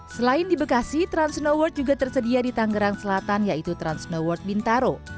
selain di bekasi transnoworld juga tersedia di tangerang selatan yaitu transnoworld bintaro